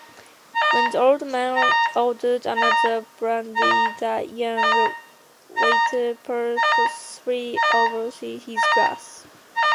When the old man orders another brandy, the young waiter purposefully overfills his glass.